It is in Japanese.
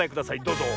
どうぞ！